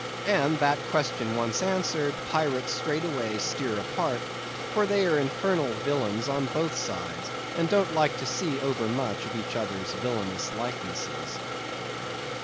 And that question once answered, pirates straightway steer apart, for they are infernal villains on both sides, and don't like to see overmuch of each other's villanous likenesses.